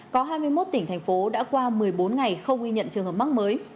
có hai mươi một tỉnh thành phố đã qua một mươi bốn ngày không ghi nhận trường hợp mắc mới